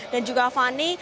dan juga fani